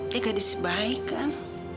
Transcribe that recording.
dia gadis baik kan